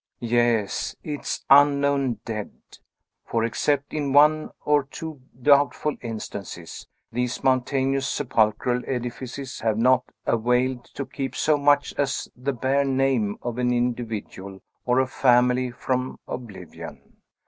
Yes; its unknown dead! For, except in one or two doubtful instances, these mountainous sepulchral edifices have not availed to keep so much as the bare name of an individual or a family from oblivion.